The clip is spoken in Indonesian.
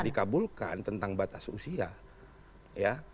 dikabulkan tentang batas usia ya